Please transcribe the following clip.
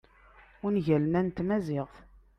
ungalen-a n tmaziɣt